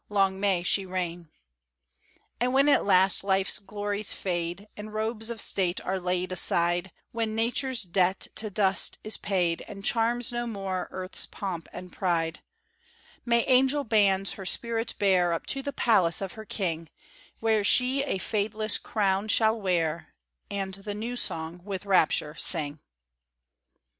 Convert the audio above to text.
Long may she reign!_" And when at last life's glories fade, And robes of state are laid aside, When nature's debt to dust is paid And charms no more earth's pomp and pride, May angel bands her spirit bear Up to the palace of her King, Where she a fadeless crown shall wear, And the new song with rapture sing.